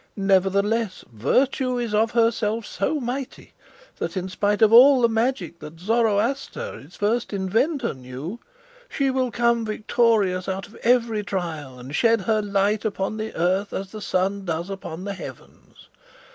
Nevertheless, virtue is of herself so mighty, that, in spite of all the magic that Zoroaster its first inventor knew, she will come victorious out of every trial, and shed her light upon the earth as the sun does upon the heavens.